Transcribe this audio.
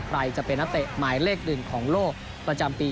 ใครจะเป็นนักเตะหมายเลขหนึ่งของโลกประจำปี